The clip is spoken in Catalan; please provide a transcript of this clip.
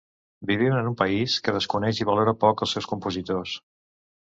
Vivim en un país que desconeix i valora poc els seus compositors.